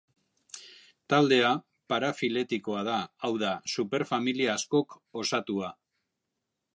Taldea parafiletikoa da, hau da, superfamilia askok osatua.